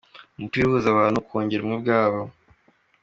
Umupira uhuza abantu, ukongera ubumwe bwabo.